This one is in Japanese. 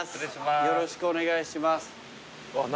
よろしくお願いします。